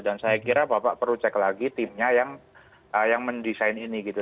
dan saya kira bapak perlu cek lagi timnya yang mendesain ini gitu